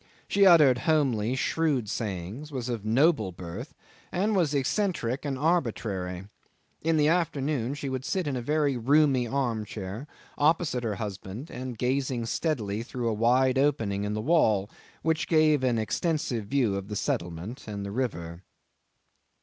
She uttered homely shrewd sayings, was of noble birth, and was eccentric and arbitrary. In the afternoon she would sit in a very roomy arm chair, opposite her husband, gazing steadily through a wide opening in the wall which gave an extensive view of the settlement and the river.